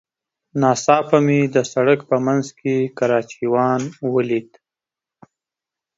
ناڅاپه مې د سړک په منځ کې کراچيوان وليد.